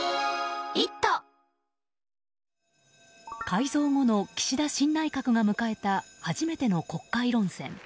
改造後の岸田新内閣が迎えた初めての国会論戦。